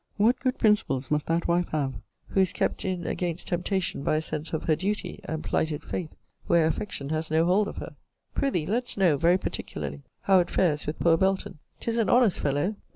What good principles must that wife have, who is kept in against temptation by a sense of her duty, and plighted faith, where affection has no hold of her! Pr'ythee let's know, very particularly, how it fares with poor Belton. 'Tis an honest fellow.